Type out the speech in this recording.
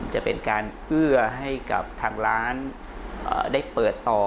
จะเป็นการเอื้อให้กับทางร้านได้เปิดต่อ